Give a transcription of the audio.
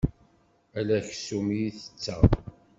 Ala aksum i tetteɣ.